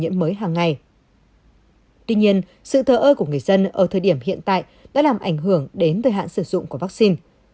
tuy nhiên sự thờ ơi của người dân ở thời điểm hiện tại đã làm ảnh hưởng đến thời hạn sử dụng của vaccine